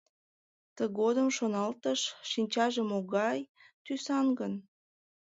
Тыгодым шоналтыш: «Шинчаже могай тӱсан гын?»